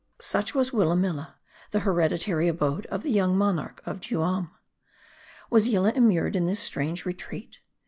M A R D I. Such was Willamilla, the hereditary abode of the young monarch of Juara. ,.*/ Was Yillah immured in this strange retreat